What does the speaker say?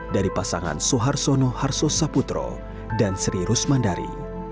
dari pasangan suharsono harso saputro dan sri rusmandari